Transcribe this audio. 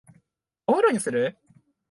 お風呂にする？